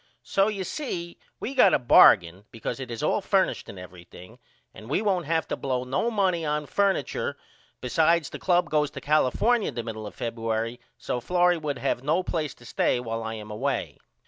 So you see we got a bargain ecause it is all furnished and everything and we won't have to blow no noney on furniture besides the club goes to California the middle of Febuery so Florrie would not have no place to stay while I am away.